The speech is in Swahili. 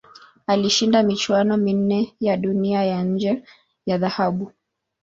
Alishinda michuano minne ya Dunia ya nje ya dhahabu.